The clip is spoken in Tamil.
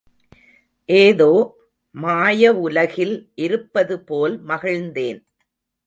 ஏதோ மாயவுலகில் இருப்பது போல் மகிழ்ந்தேன்.